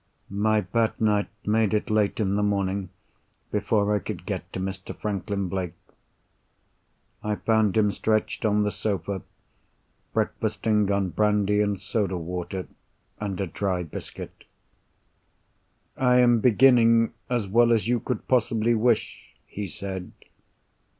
My bad night made it late in the morning, before I could get to Mr. Franklin Blake. I found him stretched on the sofa, breakfasting on brandy and soda water, and a dry biscuit. "I am beginning, as well as you could possibly wish," he said.